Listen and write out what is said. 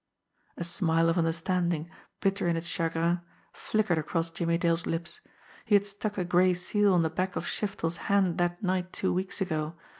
A smile of understanding, bitter in its chagrin, flickered across Jimmie Dale's lips. He had stuck a gray seal on the back of Shiftel's hand that night two weeks ago.